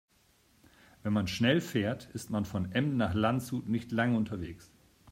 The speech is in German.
Wenn man schnell fährt, ist man von Emden nach Landshut nicht lange unterwegs